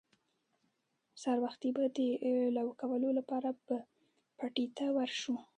سهار وختي به د لو کولو لپاره به پټي ته ور شو.